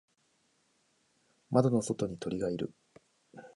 窓の外に鳥がいる。